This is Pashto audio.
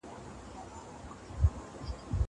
زه د ښوونځی لپاره امادګي نيولی دی.